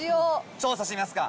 調査してみますか。